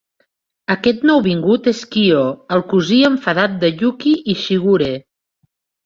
Aquest nouvingut és Kyo, el cosí enfadat de Yuki i Shigure.